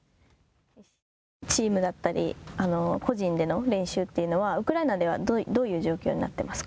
チームだったり、個人での練習というのはウクライナではどういう状況になってますか。